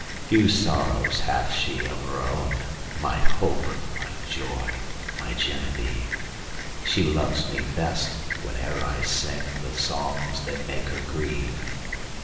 Few sorrows hath she of her own, My hope! my joy! my Genevieve! She loves me best, whene'er I singThe songs that make her grieve.